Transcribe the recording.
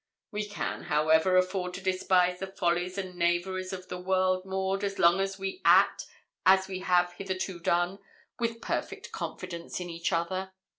'We can, however, afford to despise the follies and knaveries of the world, Maud, as long as we act, as we have hitherto done, with perfect confidence in each other.